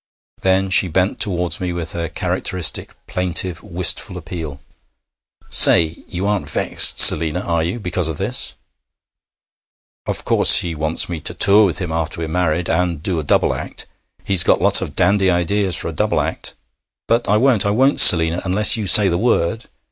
Then she bent towards me with her characteristic plaintive, wistful appeal. 'Say! You aren't vexed, Selina, are you, because of this? Of course, he wants me to tour with him after we're married, and do a double act. He's got lots of dandy ideas for a double act. But I won't, I won't, Selina, unless you say the word.